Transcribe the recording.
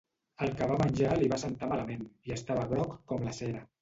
El que va menjar li va sentar malament i estava groc com la cera.